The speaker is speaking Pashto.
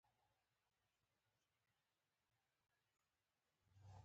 په کور د ننه ورته سرخوږی جوړ نه کړي.